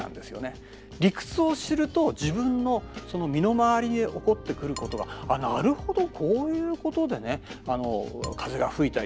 理屈を知ると自分の身の回りに起こってくることがあっなるほどこういうことで風がふいたりするんだ。